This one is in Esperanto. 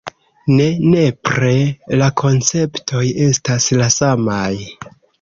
Ne nepre la konceptoj estas la samaj.